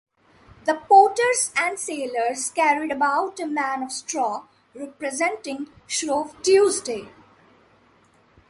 The porters and sailors carried about a man of straw representing Shrove Tuesday.